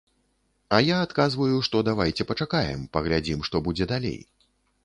А я адказваю, што давайце пачакаем, паглядзім што будзе далей.